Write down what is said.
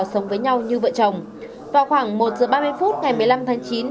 sống với nhau như vợ chồng vào khoảng một giờ ba mươi phút ngày một mươi năm tháng chín